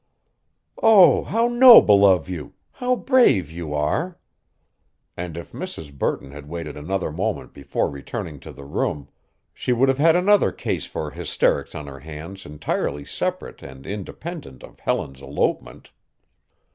"Oh, how noble of you! How brave you are!" and if Mrs. Burton had waited another moment before returning to the room she would have had another case for hysterics on her hands entirely separate and independent of Helen's elopement.